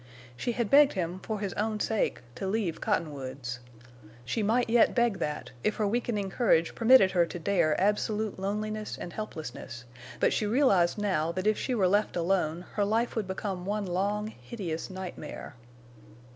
She had begged him, for his own sake, to leave Cottonwoods. She might yet beg that, if her weakening courage permitted her to dare absolute loneliness and helplessness, but she realized now that if she were left alone her life would become one long, hideous nightmare.